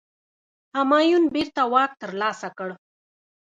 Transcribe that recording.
همایون بیرته واک ترلاسه کړ.